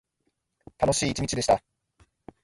楽しい一日でした。